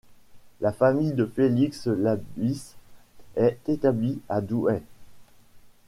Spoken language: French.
La famille de Félix Labisse est établie à Douai.